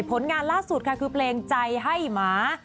ผลงานล่าสุดค่ะคือเพลงใจให้หมา